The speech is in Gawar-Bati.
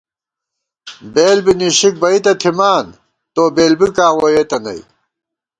بېل بی نِشِک بئ تہ تھِمان تو بېل بِکاں ووئېتہ نئ